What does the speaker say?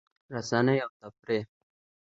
رسنۍ او تفریح